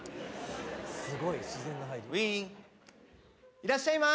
いらっしゃいま。